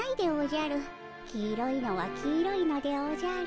黄色いのは黄色いのでおじゃる。